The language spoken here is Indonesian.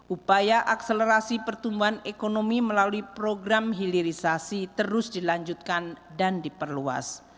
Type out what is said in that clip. upaya akselerasi pertumbuhan ekonomi melalui program hilirisasi terus dilanjutkan dan diperluas